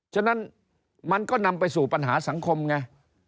ฉะนั้นมันก็นำไปสู่ปัญหาสังคมไง